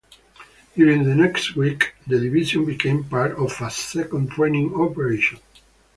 During the next week the division became part of a second training operation.